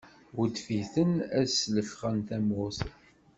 Weddef-iten ad slefɣen tamurt.